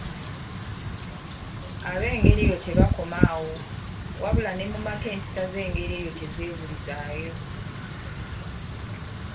Ab'engeri eyo tebakoma awo, wabula ne mu maka empisa ez'engeri eyo tezeebulizaayo.